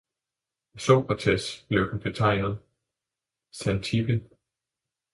Af Socrates blev den betegnet Xanthippe.